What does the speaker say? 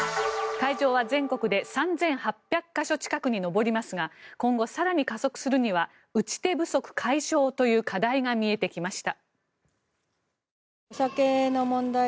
会場は全国で３８００か所近くに上りますが今後、更に加速するには打ち手不足解消という課題が見えてきました。